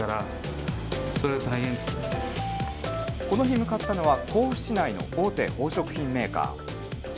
この日、向かったのは、甲府市内の大手宝飾品メーカー。